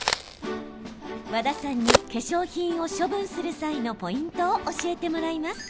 和田さんに化粧品を処分する際のポイントを教えてもらいます。